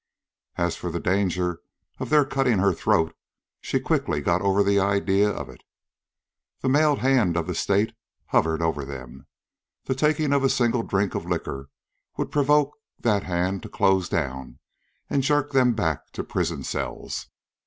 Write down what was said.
As for the danger of their cutting her throat, she quickly got over the idea of it. The mailed hand of the State hovered over them. The taking of a single drink of liquor would provoke that hand to close down and jerk them back to prison cells.